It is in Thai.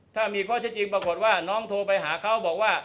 ถ้ามีข้อเท็จจริงปรากฏว่าน้องโทรไปหาเขาบอกว่า